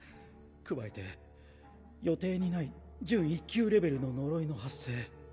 加えて予定にない準１級レベルの呪いの発生。